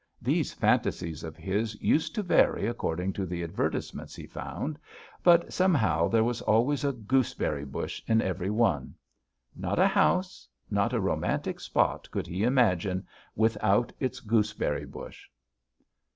These fantasies of his used to vary according to the advertisements he found, but somehow there was always a gooseberry bush in every one. Not a house, not a romantic spot could he imagine without its gooseberry bush.